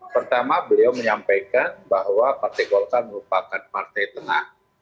pertama beliau menyampaikan bahwa partai golkar merupakan partai tengah